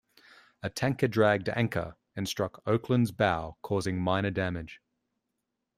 A tanker dragged anchor and struck "Oakland"s bow, causing minor damage.